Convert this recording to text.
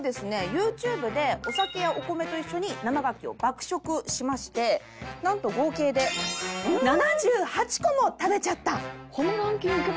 ＹｏｕＴｕｂｅでお酒やお米と一緒に生牡蠣を爆食しましてなんと合計で７８個も食べちゃった。